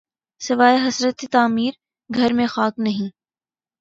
سواے حسرتِ تعمیر‘ گھر میں خاک نہیں